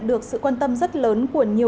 đợt một một mươi giá thuê